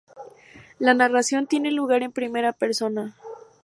La narración tiene lugar en primera persona.